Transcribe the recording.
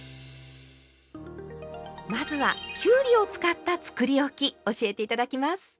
まずはきゅうりを使ったつくりおき教えて頂きます。